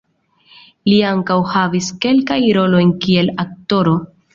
Li ankaŭ havis kelkajn rolojn kiel aktoro.